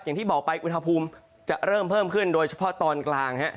อย่างที่บอกไปอุณหภูมิจะเริ่มเพิ่มขึ้นโดยเฉพาะตอนกลาง